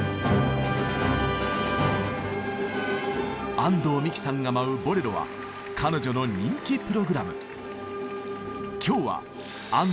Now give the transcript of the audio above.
安藤美姫さんが舞う「ボレロ」は彼女の人気プログラム。